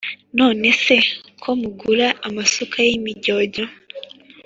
None se ko mugura amasuka y’imijyojyo?